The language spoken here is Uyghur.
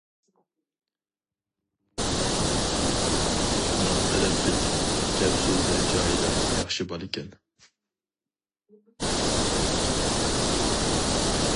شۇنداق ئەدەپلىك، گەپ سۆزلىرى جايىدا ياخشى بالىكەن.